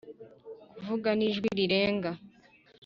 kuvuga n'ijwi rirenga